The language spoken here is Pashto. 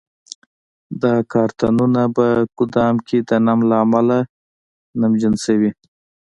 دا کارتنونه په ګدام کې د نم له امله نمجن شوي.